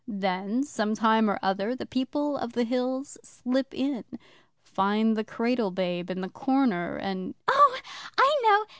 Then, some time or other, the People of the Hills slip in, find the cradle babe in the corner, and ' 'Oh, I know.